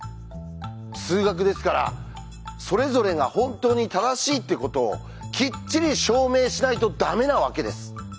数学ですからそれぞれが本当に正しいってことをきっちり証明しないとダメなわけです。